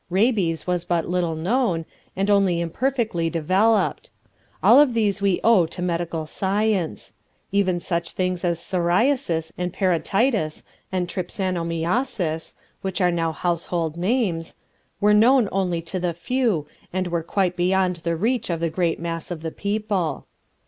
Rabies was but little known, and only imperfectly developed. All of these we owe to medical science. Even such things as psoriasis and parotitis and trypanosomiasis, which are now household names, were known only to the few, and were quite beyond the reach of the great mass of the people.